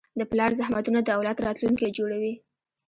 د پلار زحمتونه د اولاد راتلونکی جوړوي.